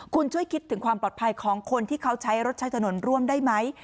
คุณช่วยคิดถึงความปลอดภัยของคนที่เขาใช้รถใช้ถนนร่วมได้ไหม